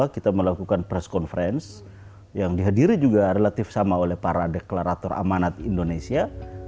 dua ribu dua puluh dua kita melakukan press conference yang dihadiri juga relatif sama oleh para deklarator amanat indonesia